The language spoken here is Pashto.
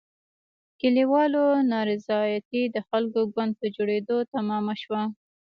کلیوالو نارضایتي د خلکو ګوند په جوړېدو تمامه شوه.